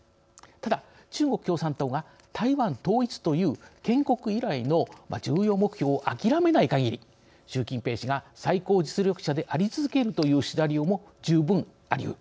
ただ、中国共産党が台湾統一という建国以来の重要目標を諦めない限り習近平氏が最高実力者であり続けるというシナリオも十分ありうる。